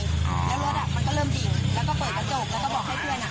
แล้วรถอ่ะมันก็เริ่มดิ่งแล้วก็เปิดกระจกแล้วก็บอกให้เพื่อนอ่ะ